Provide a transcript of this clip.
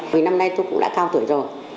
vì năm nay tôi cũng đã cao tuổi rồi